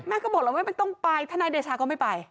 ก็บอกแล้วว่าไม่ต้องไปทนายเดชาก็ไม่ไป